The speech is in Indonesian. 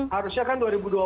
harusnya kan dua ribu dua puluh